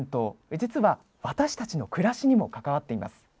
実は、私たちの暮らしにも関わっています。